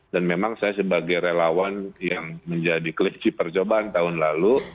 dan memang saya sebagai relawan yang menjadi kelecih percobaan tahun lalu